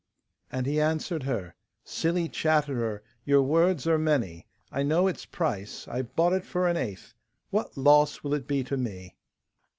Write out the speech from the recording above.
And he answered her, 'Silly chatterer, your words are many. I know its price; I bought it for an eighth. What loss will it be to me?